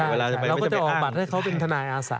เราก็จะออกบัตรให้เขาเป็นทนายอาสา